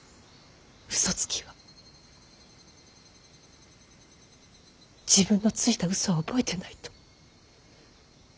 嘘つきは自分のついた嘘は覚えてないと。